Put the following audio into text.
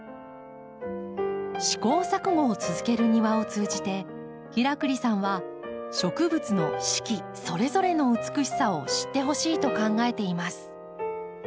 試行錯誤を続ける庭を通じて平栗さんは植物の四季それぞれの美しさを知ってほしいと考えています。